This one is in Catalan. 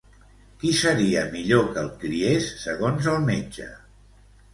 Qui seria millor que el criés, segons el metge?